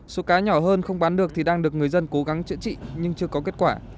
số cá nhỏ hơn không bán được thì đang được người dân cố gắng chữa trị nhưng chưa có kết quả